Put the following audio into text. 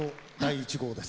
１３です。